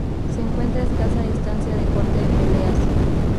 Se encuentra a escasa distancia de Corte de Peleas.